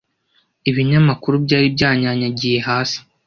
Ibinyamakuru byari byanyanyagiye hasi.